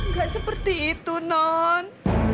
gak seperti itu non